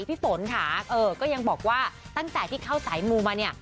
พี่ฝนค่ะก็ยังบอกว่าตั้งแต่ที่เข้าสายมูมาเนี่ย